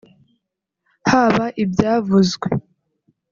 haba ibyavuzwe